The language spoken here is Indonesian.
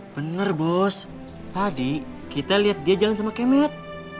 bener bos tadi kita lihat dia jalan sama kemet